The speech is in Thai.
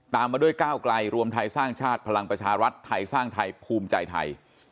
มาด้วยก้าวไกลรวมไทยสร้างชาติพลังประชารัฐไทยสร้างไทยภูมิใจไทย